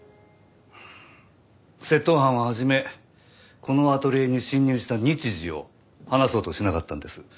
窃盗犯は初めこのアトリエに侵入した日時を話そうとしなかったんです。